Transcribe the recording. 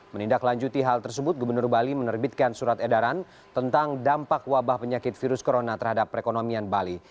menindaklanjuti hal tersebut gubernur bali menerbitkan surat edaran tentang dampak wabah penyakit virus corona terhadap perekonomian bali